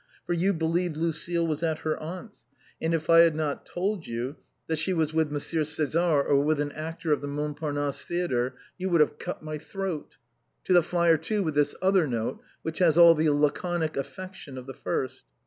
For you believed Lucile was at her aunt's, and if I had told you that she Avas with Monsieur César or with an actor of tlie Montparnasse Theatre, you would have cut my throat ! To the fire, too, with this other note, which has all the laconic affection of the first.